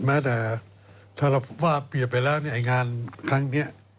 แม้แต่ถ้าเราว่าเปลี่ยนไปแล้วงานครั้งนี้